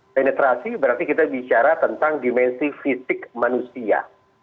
penetrasi berarti kita bicara tentang dimensi fisik manusia